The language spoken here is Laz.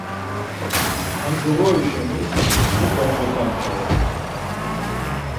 Ham coğori şeni mupe megaç̌aru!